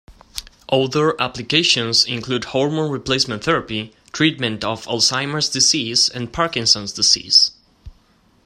Other applications include hormone replacement therapy, treatment of Alzheimer's disease and Parkinson's disease.